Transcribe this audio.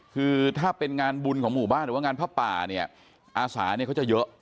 คือถ้าเป็นงานบุญของหมู่บ้านหรือว่างานผ้าป่าเนี่ยอาสาเนี่ยเขาจะเยอะ